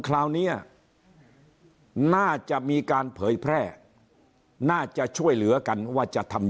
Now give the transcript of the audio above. คราวนี้น่าจะมีการเผยแพร่น่าจะช่วยเหลือกันว่าจะทำ